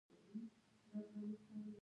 د ایران له لارې ټرانزیټ څومره دی؟